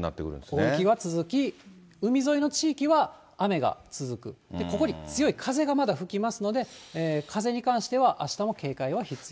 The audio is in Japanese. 大雪は続き、海沿いの地域は雨が続く、ここに強い風がまだ吹きますので、風に関してはあしたも警戒は必要です。